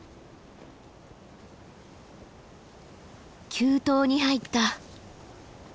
急登に入った。